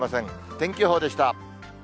天気予報でした。